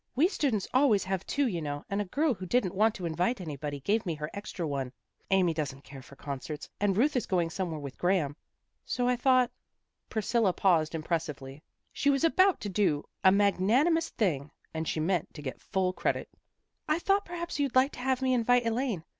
We students always have two, you know, and a girl who didn't want to invite anybody gave me her extra one. Amy doesn't care for concerts, and Ruth is going somewhere with Graham. So I thought " Priscilla paused impressively. She was about to do an magnanimous thing, and she meant to get full credit. " I thought perhaps you'd like to have me invite Elaine.